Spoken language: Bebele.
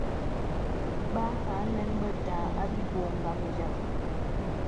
Bà ànəŋ be tà àbī bô ngambīaŋ.